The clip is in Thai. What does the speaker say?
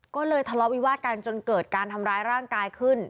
ก็เลยทะเลาะวิวาสกันจนเกิดการทำร้ายร่างกายขึ้น